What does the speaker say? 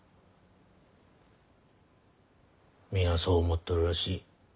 皆そう思っとるらしい。